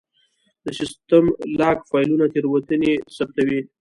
د سیسټم لاګ فایلونه تېروتنې ثبتوي.